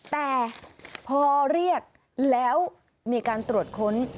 แต่พอเรียกแล้วมีการตรวจค้น